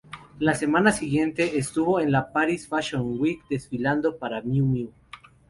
La semana siguiente, estuvo en la Paris Fashion Week desfilando para Miu Miu.